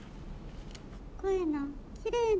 ・「こえのきれいな」。